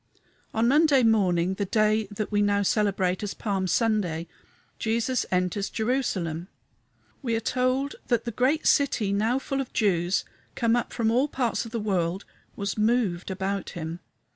On Monday morning, the day that we now celebrate as Palm Sunday, Jesus enters Jerusalem. We are told that the great city, now full of Jews come up from all parts of the world, was moved about him.